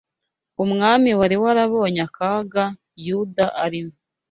umwami wari warabonye akaga Yuda arimo